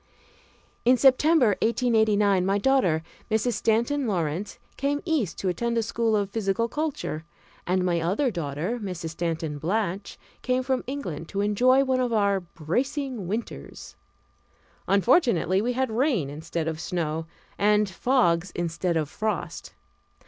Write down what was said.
In September, 1889, my daughter, Mrs. Stanton Lawrence, came East to attend a school of physical culture, and my other daughter, Mrs. Stanton Blatch, came from England to enjoy one of our bracing winters. Unfortunately we had rain instead of snow, and fogs instead of frost.